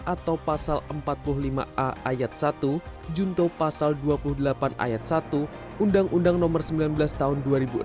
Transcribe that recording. atau pasal empat puluh lima a ayat satu junto pasal dua puluh delapan ayat satu undang undang nomor sembilan belas tahun dua ribu enam belas